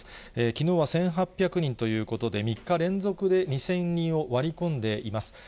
きのうは１８００人ということで、３日連続で、２０００人を割り込んでいます。